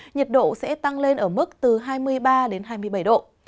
nhiệt độ sẽ tăng lên ở mức từ hai mươi ba đến hai mươi bảy độ